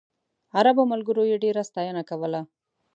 عربو ملګرو یې ډېره ستاینه کوله.